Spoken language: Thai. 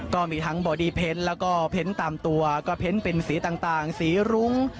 ก็มีทั้งบอดี้เพนต์แล้วก็เพ้นตามตัวก็เพ้นเป็นสีต่างสีรุ้ง